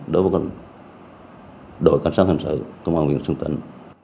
đối với đội quan sát hình sự công an huyện sơn tịnh